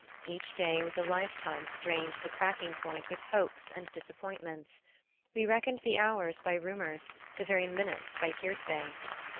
Each day was a life time strained to the cracking point with hopes and disappointments. We reckoned the hours by rumors, the very minutes by hearsay.